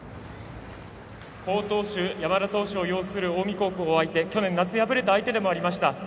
好投手、山田投手を擁する近江高校を相手去年、夏敗れた相手でもありました。